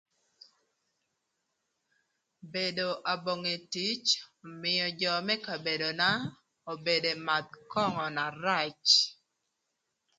Bedo abonge tic ömïö jö më kabedona obedo ëmadh köngö na rac.